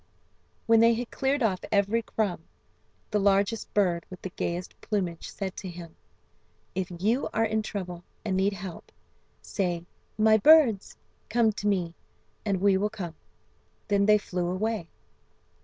When they had cleared off every crumb the largest bird with the gayest plumage said to him: "If you are in trouble and need help say, 'My birds, come to me!' and we will come." Then they flew away.